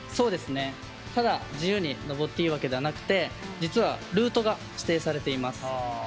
ただ自由に登っていいわけではなくて実はルートが指定されています。